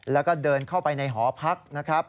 แล้วก็เดินเข้าไปในหอพักนะครับ